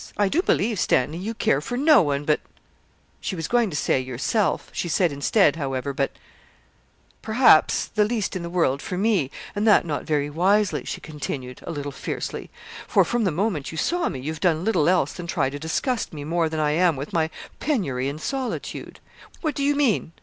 I do believe, Stanley, you care for no one, but' (she was going to say yourself, she said instead, however, but) 'perhaps, the least in the world for me, and that not very wisely,' she continued, a little fiercely, 'for from the moment you saw me, you've done little else than try to disgust me more than I am with my penury and solitude. What do you mean?